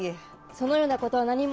そのようなことは何も。